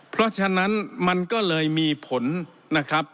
เพราะฉะนั้นมันก็เลยมีผลนะครับ